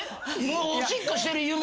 もうおしっこしてる夢。